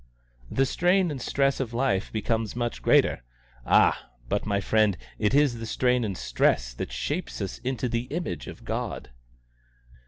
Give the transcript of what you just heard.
The strain and stress of life become much greater. Ah! but, my friend, it is that strain and stress that shape us into the image of God."